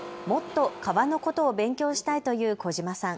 もっと革のことを勉強したいという児嶋さん。